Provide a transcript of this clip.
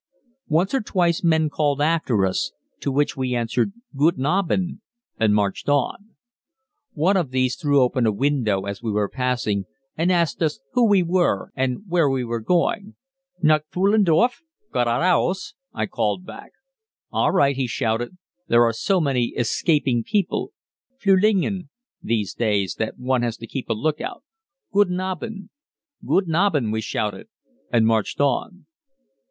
Once or twice men called after us to which we answered "Guten Abend," and marched on. One of these threw open a window as we were passing, and asked us who we were and where we were going "Nach Pfullendorf? Gerade aus," I called back. "All right," he shouted, "there are so many escaping people (Flülingen) these days that one has to keep a lookout. Guten Abend." "Guten Abend," we shouted, and marched on.